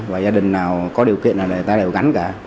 và gia đình nào có điều kiện là người ta đều gắn cả